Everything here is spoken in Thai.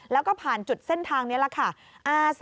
แล้วก็ผ่านจุดเส้นทางนี้แหละค่ะ